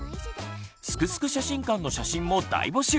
「すくすく写真館」の写真も大募集！